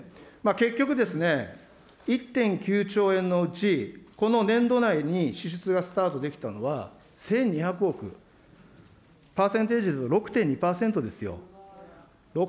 結局ですね、１．９兆円のうち、この年度内に支出がスタートできたのは、１２００億、パーセンテージで言うと６．２％ですよ、６．２％。